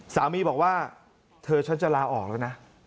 สามีบอกว่าเธอฉันจะลาออกแล้วนะ